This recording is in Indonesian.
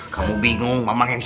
kamu bingung mak yang capek